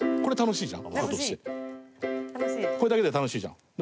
葉加瀬：これ、楽しいじゃん？